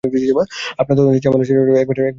আপনার তদন্তের ঝামেলা শেষ হলে একবার ওর গল্প শুনে যাবেন।